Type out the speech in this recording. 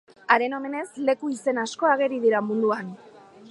Haren omenez, leku izen asko ageri dira munduan.